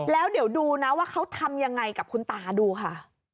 แล้วเดี๋ยวดูนะว่าเขาทำยังไงกับคุณตาดูค่ะ